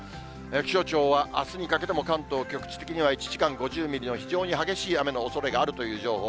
気象庁は、あすにかけても関東、局地的には１時間５０ミリの非常に激しい雨のおそれがあるという情報。